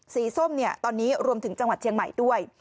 ส้มเนี่ยตอนนี้รวมถึงจังหวัดเชียงใหม่ด้วย